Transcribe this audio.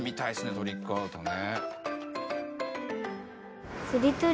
トリックアートね。